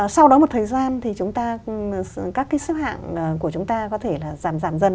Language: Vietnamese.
sau đó một thời gian thì chúng ta các cái xếp hạng của chúng ta có thể là giảm giảm dần